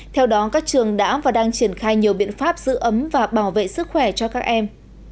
theo đó các trường đã và đang triển khai nhiều biện pháp giữ ấm và bảo vệ sức khỏe cho các em